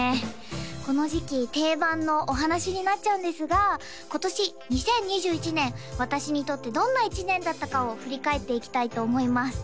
この時期定番のお話になっちゃうんですが今年２０２１年私にとってどんな１年だったかを振り返っていきたいと思います